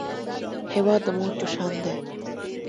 هېواد د مور په شان دی